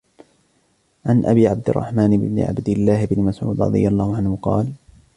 عنْ أبي عبدِ الرَّحمنِ عبدِ اللهِ بنِ مسعودٍ رَضِي اللهُ عَنْهُ قالَ: